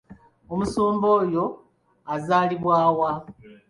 Omusumba oya azaalibwa wa?